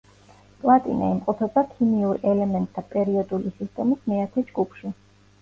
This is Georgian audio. პლატინა იმყოფება ქიმიურ ელემენტთა პერიოდული სისტემის მეათე ჯგუფში.